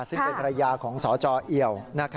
ซึ่งเป็นภรรยาของสจเอี่ยว